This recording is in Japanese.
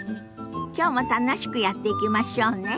きょうも楽しくやっていきましょうね。